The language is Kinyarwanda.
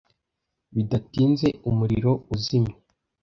Bidatinze umuriro uzimye.